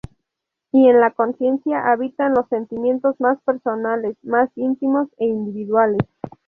Y en la conciencia habitan los sentimientos más personales, más íntimos e individuales.